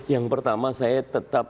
yang pertama saya tetap